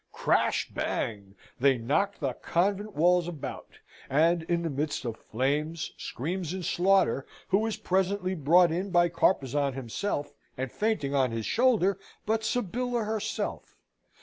Crash, bang! They knock the convent walls about. And in the midst of flames, screams, and slaughter, who is presently brought in by Carpezan himself, and fainting on his shoulder, but Sybilla herself?